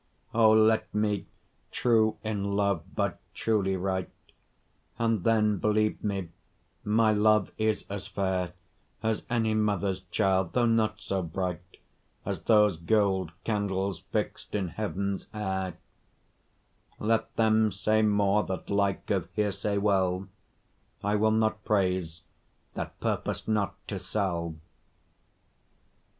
O! let me, true in love, but truly write, And then believe me, my love is as fair As any mother's child, though not so bright As those gold candles fix'd in heaven's air: Let them say more that like of hearsay well; I will not praise that purpose not to sell.